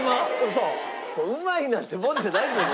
それうまいなんてもんじゃないですよ